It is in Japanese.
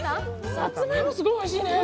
さつまいも、すごいおいしいね。